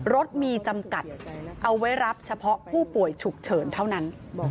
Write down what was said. รถมีจำกัดเอาไว้รับเฉพาะผู้ป่วยฉุกเฉินเท่านั้น